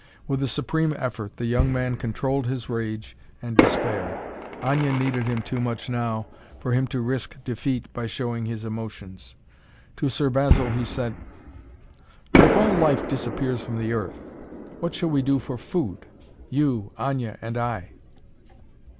With a supreme effort, the young man controlled his rage and despair. Aña needed him too much now for him to risk defeat by showing his emotions. To Sir Basil he said: "But if all life disappears from the earth, what shall we do for food you, Aña, and I?"